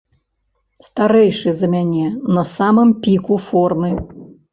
Старэйшы за мяне, на самым піку формы.